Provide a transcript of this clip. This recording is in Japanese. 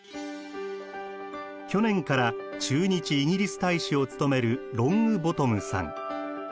去年から駐日イギリス大使を務めるロングボトムさん。